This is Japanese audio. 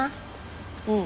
うん。